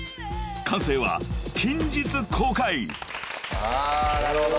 ［完成は近日公開］はあなるほど。